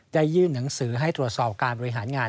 ยื่นหนังสือให้ตรวจสอบการบริหารงาน